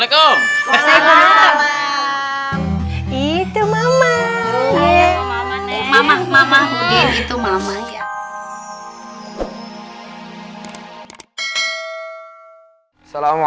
assalamualaikum warahmatullah wabarakatuh